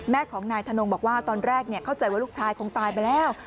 แม่ของนายธนงบอกว่าตอนแรกเข้าใจว่าลูกชายคงตายไปแล้ว